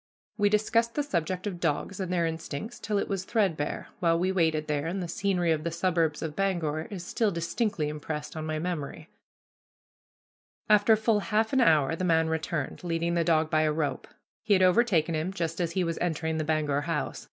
We discussed the subject of dogs and their instincts till it was threadbare, while we waited there, and the scenery of the suburbs of Bangor is still distinctly impressed on my memory. [Illustration: The Stage on the Road to Moosehead Lake] After full half an hour the man returned, leading the dog by a rope. He had overtaken him just as he was entering the Bangor House.